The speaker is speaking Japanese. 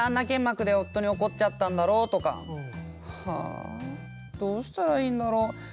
けんまくで夫に怒ってしまったんだろうとかどうしたらいいんだろう？